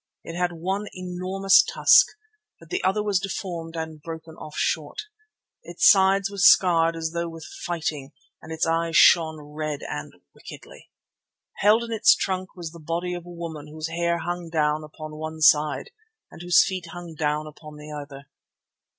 It had one enormous tusk, but the other was deformed and broken off short. Its sides were scarred as though with fighting and its eyes shone red and wickedly. Held in its trunk was the body of a woman whose hair hung down upon one side and whose feet hung down upon the other.